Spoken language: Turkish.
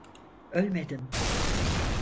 Ölmedin.